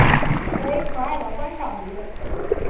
为可爱的观赏鱼。